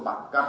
hai văn bản